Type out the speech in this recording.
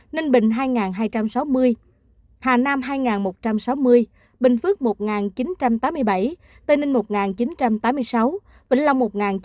ninh bình hai hai trăm sáu mươi hà nam hai một trăm sáu mươi bình phước một chín trăm tám mươi bảy tây ninh một chín trăm tám mươi sáu vĩnh long một chín trăm năm mươi hai